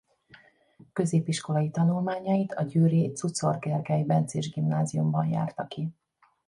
Középiskolai tanulmányait a győri Czuczor Gergely Bencés Gimnáziumban járta ki.